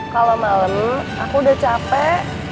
kalau malam aku udah capek